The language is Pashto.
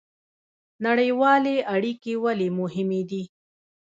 نړیوالې اړیکې ولې مهمې دي؟